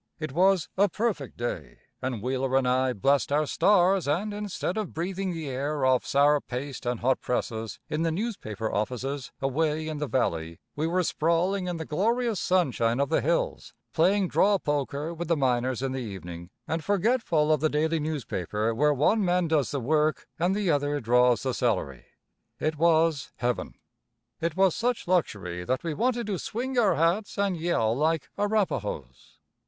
It was a perfect day, and Wheeler and I blessed our stars and, instead of breathing the air of sour paste and hot presses in the newspaper offices, away in the valley, we were sprawling in the glorious sunshine of the hills, playing draw poker with the miners in the evening, and forgetful of the daily newspaper where one man does the work and the other draws the salary. It was heaven. It was such luxury that we wanted to swing our hats and yell like Arapahoes.